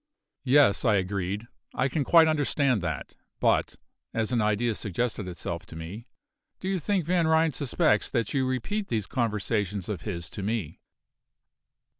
"Yes," I agreed, "I can quite understand that; but," as an idea suggested itself to me "do you think Van Ryn suspects that you repeat these conversations of his to me?"